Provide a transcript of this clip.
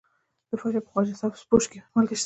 د فاریاب په خواجه سبز پوش کې مالګه شته.